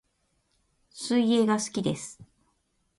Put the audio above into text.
水泳が好きです